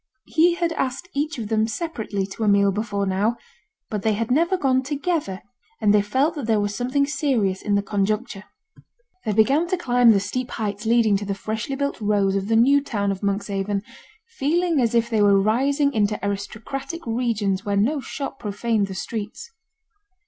He had asked each of them separately to a meal before now; but they had never gone together, and they felt that there was something serious in the conjuncture. They began to climb the steep heights leading to the freshly built rows of the new town of Monkshaven, feeling as if they were rising into aristocratic regions where no shop profaned the streets.